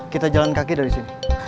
kita jalan kaki dari sini